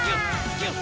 ぎゅっ！